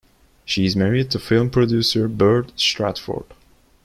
She is married to film producer Bert Stratford.